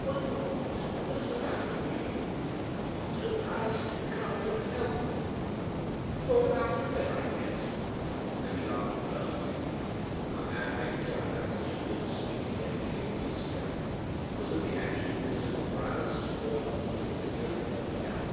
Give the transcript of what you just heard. "What do you want? what is the matter with you?" "Don't ask, come and help me!" "Fallen out of bed I guess;" and he laughed drowsily. My abject terror lest he should go to sleep again gave me new strength. Was it the actual physical paralysis born of killing fear that held me down?